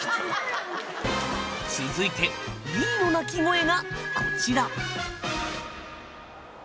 続いてＢの鳴き声がこちら。